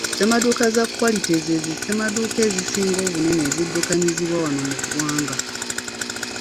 Ssemaduuka za Quality ze zissemaduuka ezisinga obunene eziddukanyizibwa wano mu ggwanga